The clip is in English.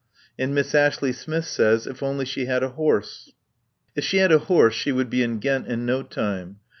And Miss Ashley Smith says if only she had a horse. If she had a horse she would be in Ghent in no time.